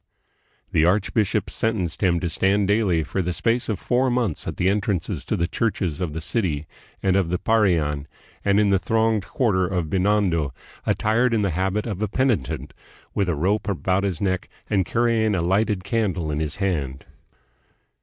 The archbishop sentenced him to stand daily for the space of four months at the entrances to the churches of the city and of the Parian, and in the thronged quarter of Binondo, attired in the habit of a penitent, with a rope about his neck and carrying a lighted candle in his hand.